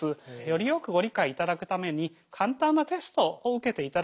よりよくご理解いただくために簡単なテストを受けていただきたいと思います。